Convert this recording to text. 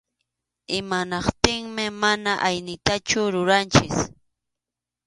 Imanaptinmi mana aynitachu ruranchik.